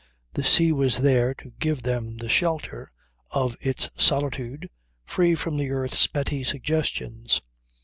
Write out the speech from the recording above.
The sea was there to give them the shelter of its solitude free from the earth's petty suggestions.